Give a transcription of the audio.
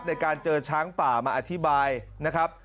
ในการเจอช้างป่ามาอธิบายนะครับ